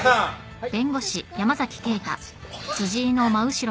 はい。